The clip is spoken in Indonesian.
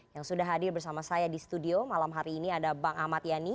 yang sudah hadir bersama saya di studio malam hari ini ada bang ahmad yani